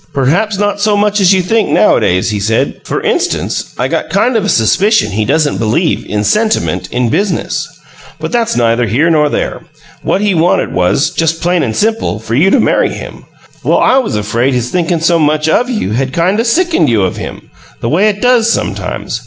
"Perhaps not so much as you think, nowadays," he said. "For instance, I got kind of a suspicion he doesn't believe in 'sentiment in business.' But that's neither here nor there. What he wanted was, just plain and simple, for you to marry him. Well, I was afraid his thinkin' so much OF you had kind o' sickened you of him the way it does sometimes.